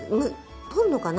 取るのかな？